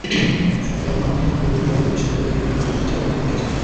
সরকার এখন অর্থনীতির প্রবৃদ্ধি বাড়াতে বেসরকারি খাতে বিনিয়োগ বৃদ্ধির চ্যালেঞ্জের মুখে আছে।